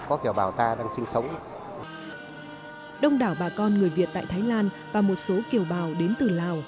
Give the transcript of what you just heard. có kiều bào ta đang sinh sống đông đảo bà con người việt tại thái lan và một số kiều bào đến từ lào